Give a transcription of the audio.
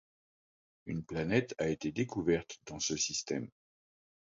Une planète a été découverte dans ce système.